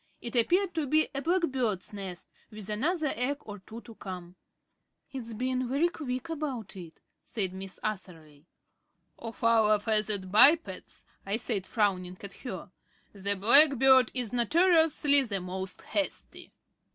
It appeared to be a black bird's nest with another egg or two to come. "It's been very quick about it," said Miss Atherley. "Of our feathered bipeds," I said, frowning at her, "the blackbird is notoriously the most hasty."